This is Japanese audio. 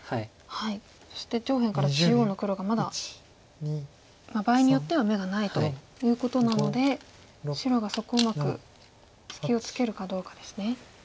そして上辺から中央の黒がまだ場合によっては眼がないということなので白がそこをうまく隙をつけるかどうかですね。